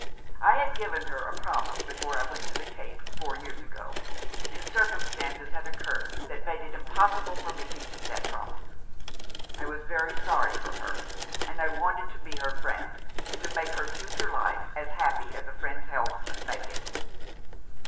I had given her a promise before I went to the Cape, four years ago — and circumstances had occurred that made it impossible for me to keep that promise. I was very sorry for her, and I wanted to be her friend, and to make her future life as happy as a friend's help could make it."